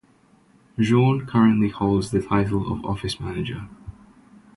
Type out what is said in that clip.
Jean currently holds the title of Office Manager.